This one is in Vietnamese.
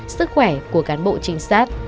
sức khỏe của cán bộ trinh sát